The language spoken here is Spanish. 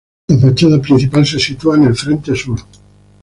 La fachada principal se sitúa en el frente sur.